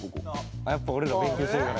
やっぱ俺ら勉強してるから。